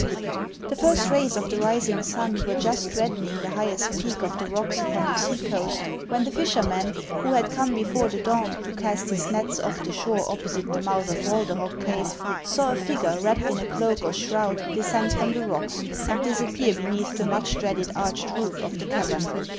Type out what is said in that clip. THE first rays of the rising sun were just reddening the highest peak of the rocks upon the seacoast, when the fisherman, who had come before the dawn to cast his nets off the shore opposite the mouth of Walderhog cave, saw a figure wrapped in a cloak or shroud descend from the rocks, and disappear beneath the much dreaded arched roof of the cavern.